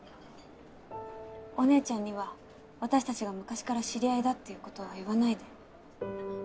お姉ちゃんには私たちが昔から知り合いだっていうことは言わないで。